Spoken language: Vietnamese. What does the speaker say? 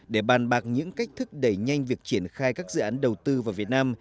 để bàn bạc những cách thức đẩy nhanh việc triển khai các dự án đầu tư vào việt nam